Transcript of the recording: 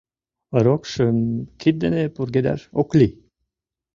Рокшым кид дене пургедаш ок лий.